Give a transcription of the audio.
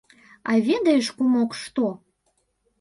А ведаеш, кумок, што?